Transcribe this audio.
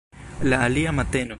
La alia mateno.